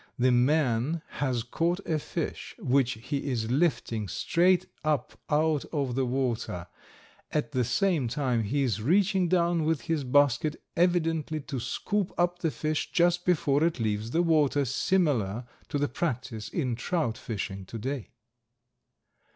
The man has caught a fish which he is lifting straight up out of the water, at the same time he is reaching down with his basket, evidently to scoop up the fish just before it leaves the water, similar to the practice in trout fishing to day.